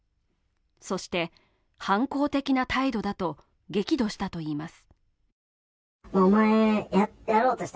そして、反抗的な態度だと激怒したといいます。